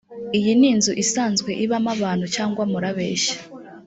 iyi nzu isanzwe ibamo abantu cyangwa murabeshya‽